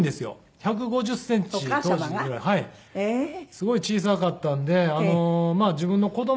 すごい小さかったんで自分の子供がですね